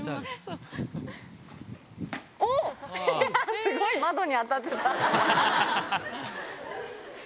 おー、すごい、窓に当たってた。